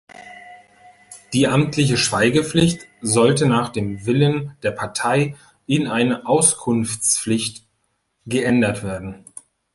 Die amtliche Schweigepflicht sollte nach dem Willen der Partei in eine Auskunftspflicht geändert werden.